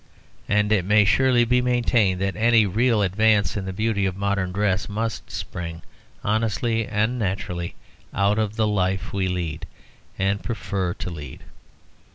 And it may surely be maintained that any real advance in the beauty of modern dress must spring honestly and naturally out of the life we lead and prefer to lead.